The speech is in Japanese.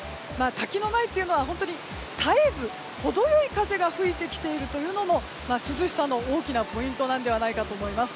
滝の前というのは絶えず程良い風が吹いてきているというのも涼しさの大きなポイントではないかと思います。